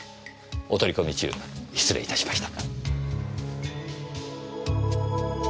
お取り込み中失礼いたしました。